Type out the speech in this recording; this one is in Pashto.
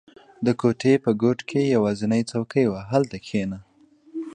• د کوټې په ګوټ کې یوازینی څوکۍ وه، هلته کښېنه.